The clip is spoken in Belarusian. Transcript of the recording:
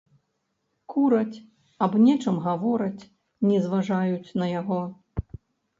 Кураць, аб нечым гавораць, не зважаюць на яго.